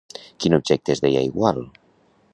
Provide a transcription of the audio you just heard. Quin objecte es deia igual?